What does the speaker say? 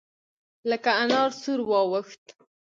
لکه انار سور واوښت.